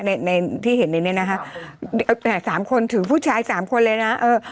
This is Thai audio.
ในในที่เห็นในนี้นะคะสามคนถือผู้ชายสามคนเลยนะเออ